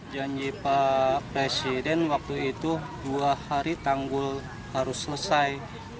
janji pak presiden waktu itu dua hari tanggul harus selesai